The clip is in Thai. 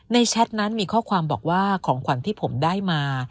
แชทนั้นมีข้อความบอกว่าของขวัญที่ผมได้มา